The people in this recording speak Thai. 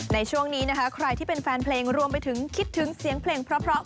ในช่วงนี้นะคะใครที่เป็นแฟนเพลงรวมไปถึงคิดถึงเสียงเพลงเพราะ